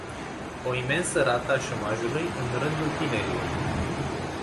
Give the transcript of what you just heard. O imensă rată a șomajului în rândul tinerilor!